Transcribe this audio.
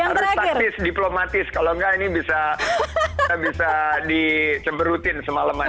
harus taktis diplomatis kalau enggak ini bisa di cemberutin semaleman